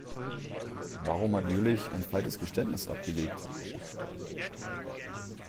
Warum hat Jüllich ein falsches Geständnis abgelegt?